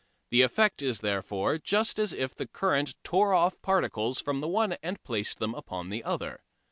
The effect is therefore just as if the current tore off particles from the one and placed them upon the other.